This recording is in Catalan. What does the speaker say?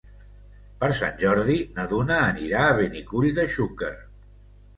Per Sant Jordi na Duna anirà a Benicull de Xúquer.